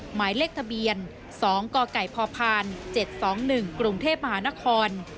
หมายเลขทะเบียน๒กกพพ๗๒๑กรุงเทพมหานคร